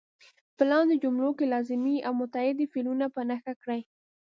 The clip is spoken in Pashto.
په لاندې جملو کې لازمي او متعدي فعلونه په نښه کړئ.